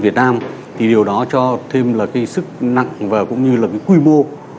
thì điều đó cho thêm là cái sức nặng và cũng như là cái quy mô